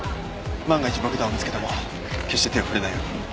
万が一爆弾を見つけても決して手を触れないように。